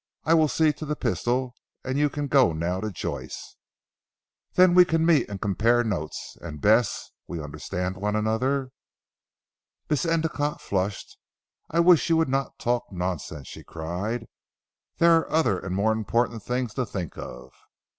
I will see to the pistol, and you can go now to Joyce." "Then we can meet and compare notes. And Bess, we understand one another?" Miss Endicotte flushed. "I wish you would not talk nonsense," she cried, "there are other and more important things to think of."